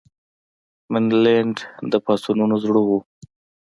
منډلینډ د پاڅونونو زړه وو.